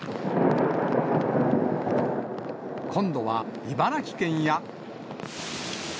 今度は茨城県や。